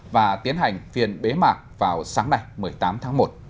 và tiến hành phiền bế mạc vào sáng này một mươi tám tháng một